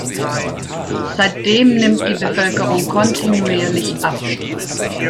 Seitdem nimmt die Bevölkerung kontinuierlich ab.